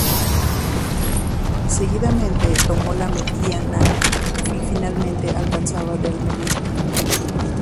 Seguidamente tomó la Medina y finalmente la Alcazaba de Almería.